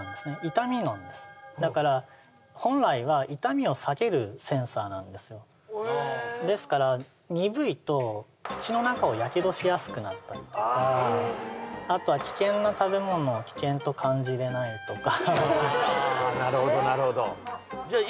痛みなんですだから本来は痛みを避けるセンサーなんですよおえですから鈍いと口の中をやけどしやすくなったりとかあとは危険な食べ物を危険と感じられないとかああ